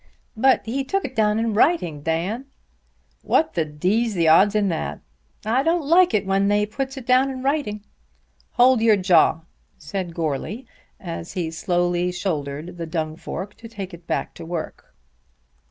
"But he took it down in writing, Dan." "What the d 's the odds in that?" "I don't like it when they puts it down in writing." "Hold your jaw," said Goarly as he slowly shouldered the dung fork to take it back to his work.